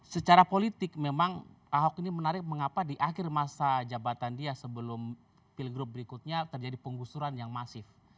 secara politik memang ahok ini menarik mengapa di akhir masa jabatan dia sebelum pilgrup berikutnya terjadi penggusuran yang masif